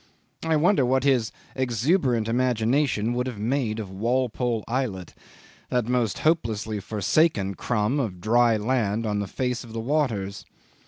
I wonder what his exuberant imagination would have made of Walpole islet that most hopelessly forsaken crumb of dry land on the face of the waters.